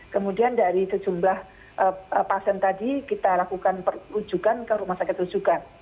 kemudian dari sejumlah pasien tadi kita lakukan perujukan ke rumah sakit rujukan